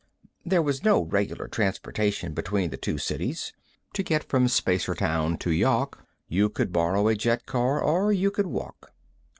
There was no regular transportation between the two cities; to get from Spacertown to Yawk, you could borrow a jetcar or you could walk.